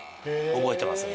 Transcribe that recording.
覚えてますね